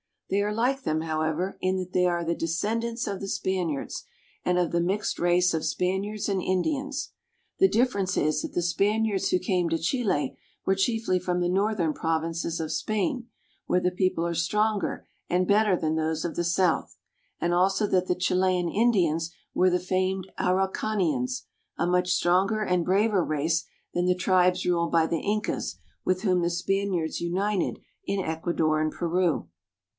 They are Hke them, however, in that they are the de scendants of the Spaniards and of the mixed race of Spaniards and Indians. The difference is that the Span iards who came to Chile were chiefly from the northern provinces of Spain, where the people are stronger and better than those of the south, and also that the Chilean Indians were the famed Araucanians, a much stronger and braver race than the tribes ruled by the Incas, with whom the Spaniards united in Ecuador and Peru.